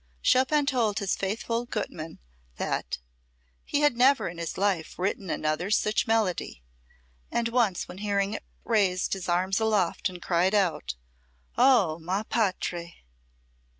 Chopin told his faithful Gutmann that "he had never in his life written another such melody," and once when hearing it raised his arms aloft and cried out: "Oh, ma patrie!"